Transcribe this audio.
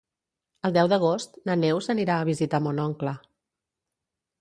El deu d'agost na Neus anirà a visitar mon oncle.